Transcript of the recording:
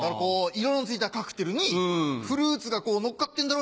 色のついたカクテルにフルーツがのっかってんだろ。